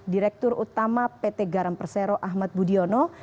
direktur utama pt garam persero ahmad budiono